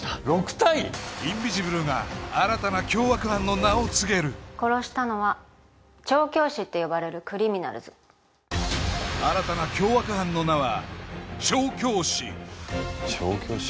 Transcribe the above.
インビジブルが新たな凶悪犯の名を告げる殺したのは調教師って呼ばれるクリミナルズ新たな凶悪犯の名は調教師調教師？